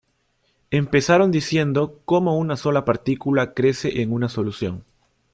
Empezaron diciendo cómo una sola partícula crece en una solución.